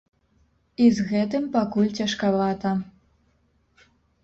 І з гэтым пакуль цяжкавата.